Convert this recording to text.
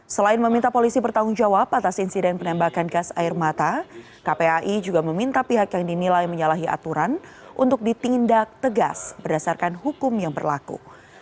selain meminta polisi bertanggung jawab atas insiden penembakan gas air mata kpai juga meminta pihak yang dinilai menyalahi aturan untuk ditindak tegas berdasarkan hukum yang berlaku